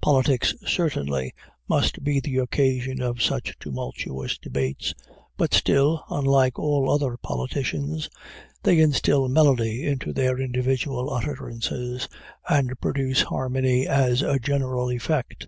Politics, certainly, must be the occasion of such tumultuous debates, but still, unlike all other politicians, they instill melody into their individual utterances and produce harmony as a general effect.